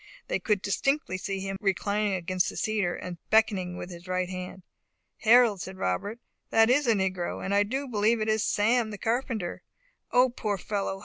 They could distinctly see him reclining against the cedar, and beckoning with his right hand. "Harold," said Robert, "that is a negro, and I do believe it is Sam, the carpenter. O poor fellow!